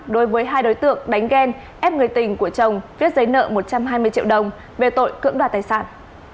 đối với hai đối tượng đánh ghen ép người tình của chồng viết giấy nợ một trăm hai mươi triệu đồng về tội cưỡng đoạt tài sản